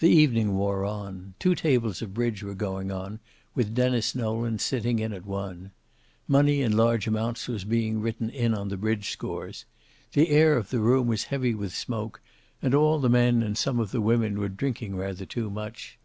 The evening wore on. Two tables of bridge were going, with Denis Nolan sitting in at one. Money in large amounts was being written in on the bridge scores. The air of the room was heavy with smoke, and all the men and some of the women were drinking rather too much.